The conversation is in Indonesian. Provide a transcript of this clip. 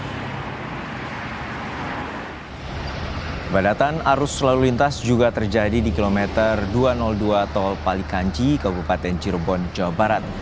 kepada tan arus selalu lintas juga terjadi di kilometer dua ratus dua tol palikanji kebupaten cirebon jawa barat